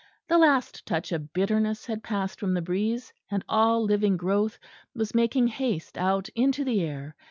The last touch of bitterness had passed from the breeze, and all living growth was making haste out into the air.